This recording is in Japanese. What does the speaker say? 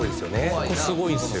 ここすごいですよ。